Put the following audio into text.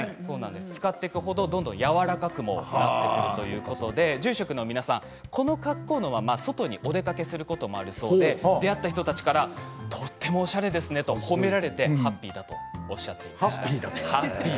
使っていくほどどんどん柔らかくもなっていくということで住職の皆さん、この格好のまま外にお出かけすることもあるそうで出会った人たちからとてもおしゃれですねと褒められてハッピーだとおっしゃっていました。